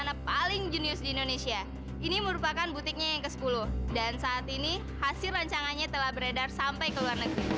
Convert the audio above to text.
jangan lupa berdoa